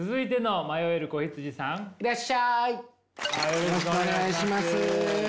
よろしくお願いします。